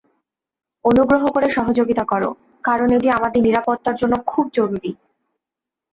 অনুগ্রহ করে সহযোগিতা কর, কারণ এটি আমাদের নিরাপত্তার জন্য খুব জরুরি।